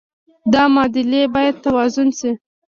دا معادلې باید توازن شي.